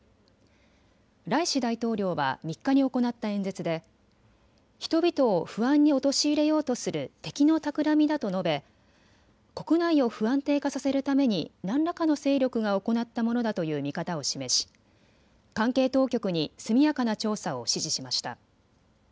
ライシ大統領は３日に行った演説で人々を不安に陥れようとする敵のたくらみだと述べ国内を不安定化させるために何らかの勢力が行ったものだという見方を示し関係当局に速やかな調査を指示しました。